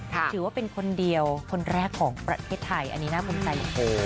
ถือว่าเป็นคนเดียวคนแรกของประเทศไทยอันนี้น่าภูมิใจเหลือเกิน